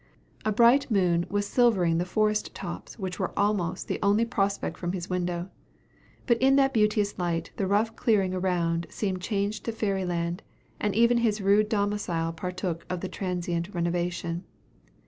A bright moon was silvering the forest tops, which were almost the only prospect from his window; but in that beauteous light the rough clearing around seemed changed to fairy land; and even his rude domicile partook of the transient renovation.